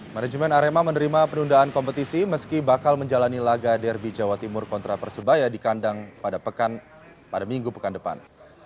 manajemen arema menerima penundaan kompetisi meski bakal menjalani laga derby jawa timur kontra persebaya di kandang pada minggu pekan depan